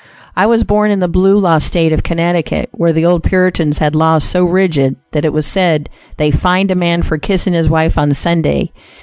I was born in the blue law State of Connecticut, where the old Puritans had laws so rigid that it was said, "they fined a man for kissing his wife on Sunday."